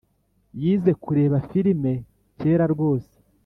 Yize kureba firime kera rwose